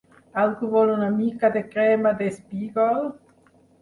Algú vol una mica de crema d'espígol?